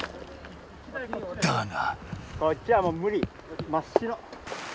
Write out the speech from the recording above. だが！